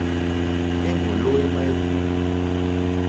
Éwòló émá ékú.